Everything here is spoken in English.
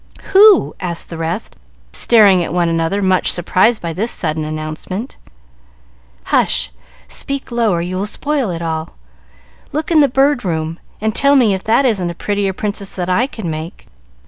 "Who?" asked the rest, staring at one another, much surprised by this sudden announcement. "Hush! Speak low, or you will spoil it all. Look in the Bird Room, and tell me if that isn't a prettier Princess than I could make?"